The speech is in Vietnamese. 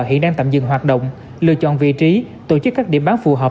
hiện đang tạm dừng hoạt động lựa chọn vị trí tổ chức các điểm bán phù hợp